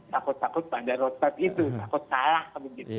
takut takut pada roadmap itu takut salah